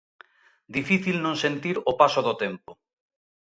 Difícil non sentir o paso do tempo.